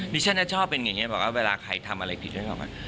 ฉันชอบเป็นอย่างนี้บอกว่าเวลาใครทำอะไรผิดนึกออกไหม